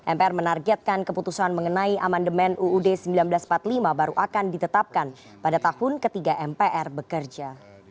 mpr menargetkan keputusan mengenai amandemen uud seribu sembilan ratus empat puluh lima baru akan ditetapkan pada tahun ketiga mpr bekerja